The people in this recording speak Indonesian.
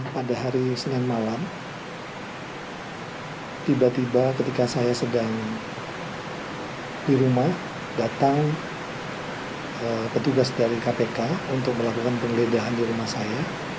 pada hari senin malam tiba tiba ketika saya sedang di rumah datang petugas dari kpk untuk melakukan penggeledahan di rumah saya